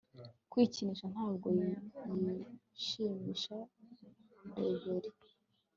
Kwikinisha Ntabwo yishimisha reverie